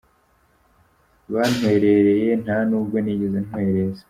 bantwerereye, nta nubwo nigeze ntwereza.”